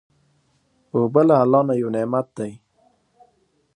اوبه له الله نه یو نعمت دی.